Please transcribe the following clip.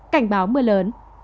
cảnh báo mưa lớn